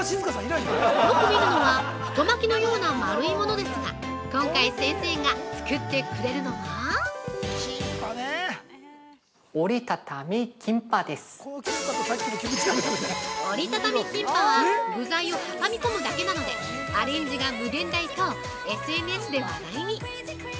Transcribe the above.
よく見るのは太巻きのような丸いものですが今回、先生が作ってくれるのは◆折りたたみキンパは具材を挟み込むだけでなのでアレンジが無限大とＳＮＳで話題に！